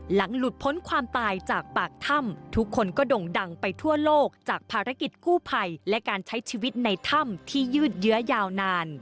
หลุดพ้นความตายจากปากถ้ำทุกคนก็ด่งดังไปทั่วโลกจากภารกิจกู้ภัยและการใช้ชีวิตในถ้ำที่ยืดเยื้อยาวนาน